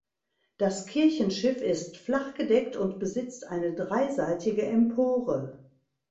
Das Kirchenschiff ist flachgedeckt und besitzt eine dreiseitige Empore.